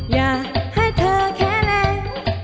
อยากให้เธอแขนแรง